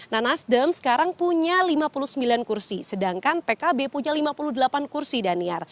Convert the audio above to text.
nah nasdem sekarang punya lima puluh sembilan kursi sedangkan pkb punya lima puluh delapan kursi daniar